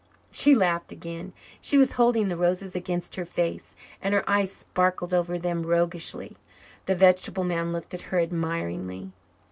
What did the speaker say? She laughed again. She was holding the roses against her face, and her eyes sparkled over them roguishly. The vegetable man looked at her admiringly.